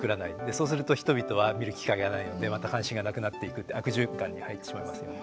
そうすると人々は見る機会がないのでまた関心がなくなっていくって悪循環に入ってしまいますよね。